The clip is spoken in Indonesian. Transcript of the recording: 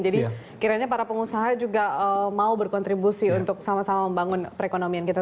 jadi kiranya para pengusaha juga mau berkontribusi untuk sama sama membangun perekonomian kita